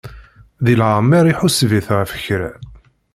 Deg leɛmer iḥuseb-it ɣef kra.